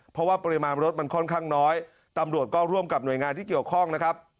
เพราะว่าปริมาณรถมันค่อนข้างน้อยตำรวจก็ร่วมกับหน่วยงานที่เกี่ยวข้องนะครับ